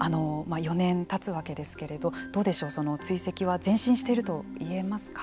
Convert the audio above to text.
４年たつわけですけれども追跡は前進していると言えますか。